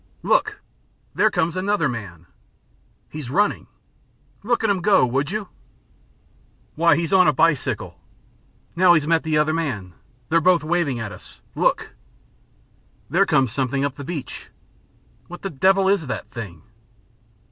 "Look! There comes another man!" "He's running." "Look at him go, would you." "Why, he's on a bicycle. Now he's met the other man. They're both waving at us. Look!" "There comes something up the beach." "What the devil is that thing?"